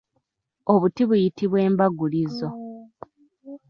Obuti buyitibwa embagulizo.